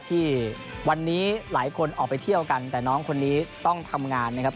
ที่วันนี้หลายคนออกไปเที่ยวกันแต่น้องคนนี้ต้องทำงานนะครับ